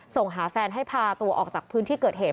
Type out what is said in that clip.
ส่งหาแฟนให้พาตัวออกจากพื้นที่เกิดเหตุ